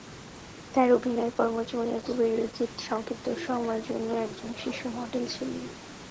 তার অভিনয় কর্মজীবনের পূর্বে, রিকিট সংক্ষিপ্ত সময়ের জন্য একজন শিশু মডেল ছিলেন।